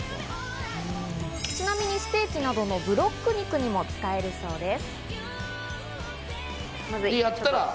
ちなみにステーキなどのブロック肉にも使えるそうです。